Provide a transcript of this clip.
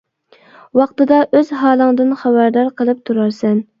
ۋاقتىدا ئۆز ھالىڭدىن خەۋەردار قىلىپ تۇرارسەن.